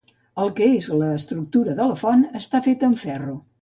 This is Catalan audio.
El que és l'estructura de la font està feta amb ferro.